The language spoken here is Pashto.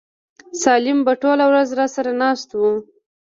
سالم به ټوله ورځ راسره ناست و.